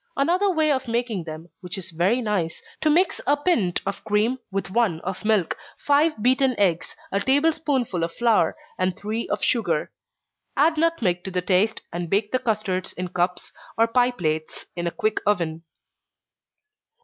Another way of making them, which is very nice, is to mix a pint of cream with one of milk, five beaten eggs, a table spoonful of flour, and three of sugar. Add nutmeg to the taste, and bake the custards in cups or pie plates, in a quick oven.